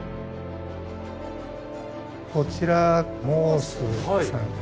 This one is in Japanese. こちらモースさん。